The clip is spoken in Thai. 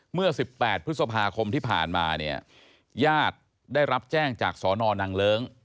เมื่อ๑๘พฤษภาคมที่ผ่านมาเนี่ยญาติได้รับแจ้งจากสนนางเลิ้ง